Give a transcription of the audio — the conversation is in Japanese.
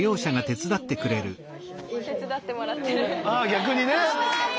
逆にね。